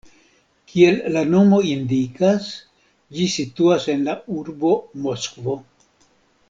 Kiel la nomo indikas, ĝi situas en la urbo Moskvo.